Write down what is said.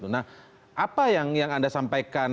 nah apa yang anda sampaikan